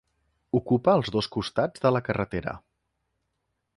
Ocupa els dos costats de la carretera.